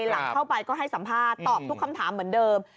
หลังเข้าไปก็ให้สัมภาษณ์ตอบทุกคำถามเหมือนเดิม